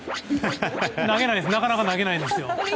なかなか投げないんですよ。